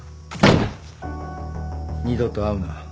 二度と会うな。